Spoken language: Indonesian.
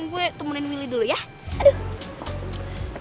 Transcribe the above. gue temenin willy dulu ya aduh